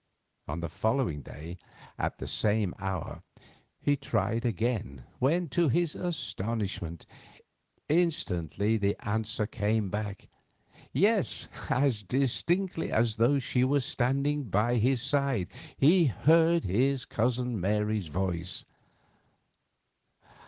On the following day, at the same hour, he tried again, when, to his astonishment, instantly the answer came back. Yes, as distinctly as though she were standing by his side, he heard his cousin Mary's voice.